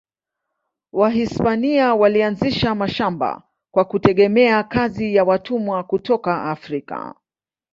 Wahispania walianzisha mashamba kwa kutegemea kazi ya watumwa kutoka Afrika.